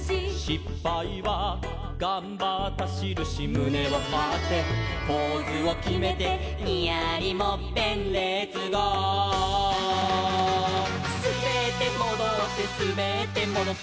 「しっぱいはがんばったしるし」「むねをはってポーズをきめて」「ニヤリもっぺんレッツゴー！」「すべってもどってすべってもどって」